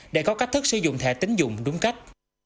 để có cách thức sử dụng thẻ tính dụng đúng cách